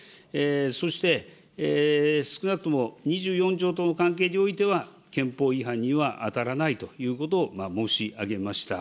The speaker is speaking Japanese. そして、少なくとも２４条との関係においては、憲法違反には当たらないということを申し上げました。